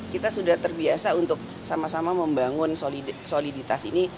kita sudah terbiasa untuk sama sama membangun soliditas ini